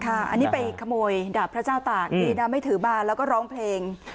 อันนี้ไปขโมยดาบพระเจ้าตากดีนะไม่ถือบานแล้วก็ร้องเพลง